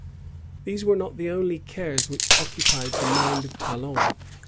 ^ These were not the only cares which occupied the mind of Talon.